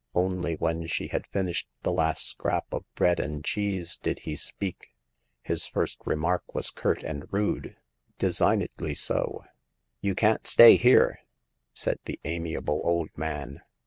Only when she had finished the last scrap of bread and cheese did he speak. His first remark was curt and rude — designedly so. " You can't stay here !" said the amiable old man.